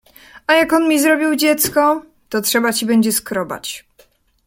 — A jak on mi zrobił dziecko? — To będzie ci trzeba skrobać.